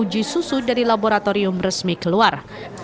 pihak puskesmas juga tidak terlalu dari laboratorium resmi keluar